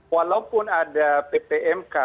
walaupun ada ppmk